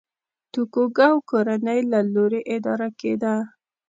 توکوګاوا کورنۍ له لوري اداره کېده.